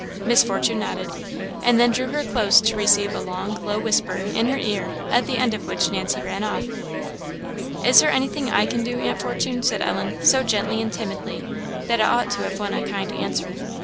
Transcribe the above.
Miss Fortune nodded, and then drew her close to receive a long, low whisper in her ear, at the end of which Nancy ran off. "Is there anything I can do, Aunt Fortune?" said Ellen, so gently and timidly, that it ought to have won a kind answer.